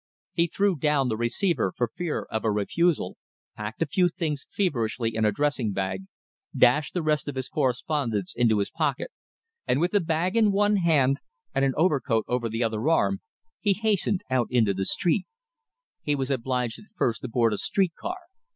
He threw down the receiver for fear of a refusal, packed a few things feverishly in a dressing bag, dashed the rest of his correspondence into his pocket, and with the bag in one hand, and an overcoat over the other arm, he hastened out into the street. He was obliged at first to board a street car.